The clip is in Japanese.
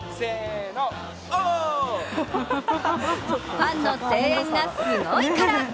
ファンの声援がすごいから！